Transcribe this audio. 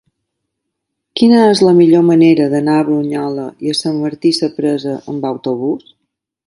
Quina és la millor manera d'anar a Brunyola i Sant Martí Sapresa amb autobús?